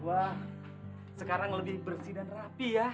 wah sekarang lebih bersih dan rapi ya